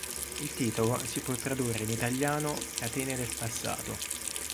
Il titolo si può tradurre in italiano "Catene del passato".